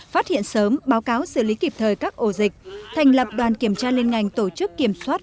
phát hiện sớm báo cáo xử lý kịp thời các ổ dịch thành lập đoàn kiểm tra liên ngành tổ chức kiểm soát